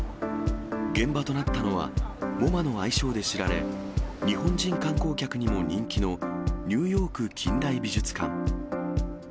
現場となったのは、ＭｏＭＡの愛称で知られ、日本人観光客にも人気のニューヨーク近代美術館。